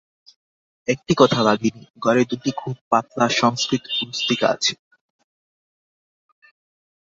একটি কথা ভগিনী, ঘরে দুটি খুব পাতলা সংস্কৃত পুস্তিকা আছে।